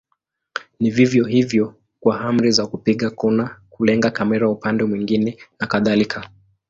Ni vivyo hivyo kwa amri za kupiga kona, kulenga kamera upande mwingine na kadhalika.